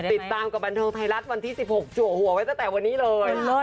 ติดตามกับบันเทิงไทยรัฐวันที่๑๖จัวหัวไว้ตั้งแต่วันนี้เลย